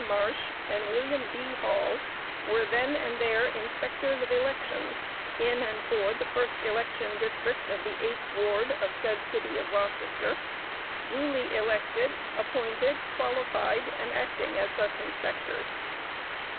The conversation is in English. Marsh and William B. Hall were then and there Inspectors of Elections in and for the first election District of the eighth ward of said City of Rochester, duly elected, appointed, qualified and acting as such Inspectors.